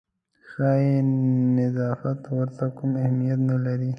ښایي نظافت ورته کوم اهمیت نه لري.